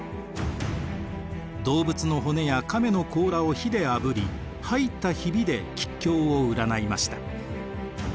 動物の骨や亀の甲羅を火であぶり入ったヒビで吉凶を占いました。